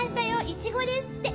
いちごですって。